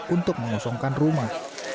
untuk mengosongkan rumah